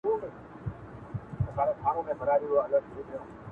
یار به وړم تر قبرستانه ستا د غېږي ارمانونه,